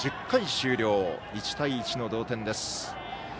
１０回終了、１対１の同点です。